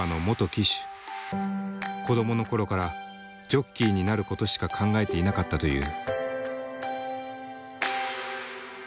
子どもの頃からジョッキーになることしか考えていなかったという。